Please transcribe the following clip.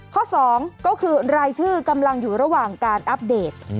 ๒ก็คือรายชื่อกำลังอยู่ระหว่างการอัปเดต